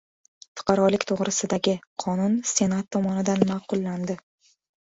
"Fuqarolik to‘g‘risida"gi qonun Senat tomonidan ma’qullandi